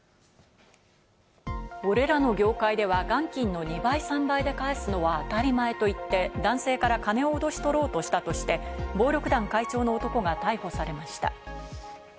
俺らの業界では元金の２倍、３倍で返すのは当たり前と言って、男性から金をおどし取ろうとしたとして、暴力団会長の男が逮捕されました。